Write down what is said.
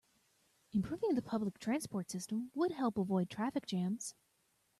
Improving the public transport system would help avoid traffic jams.